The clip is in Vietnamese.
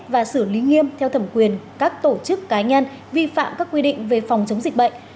và xử lý nghiêm theo thẩm quyền các tổ chức cá nhân vi phạm các quy định về phòng chống dịch bệnh